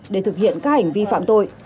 để thực hiện các hành vi phạm tội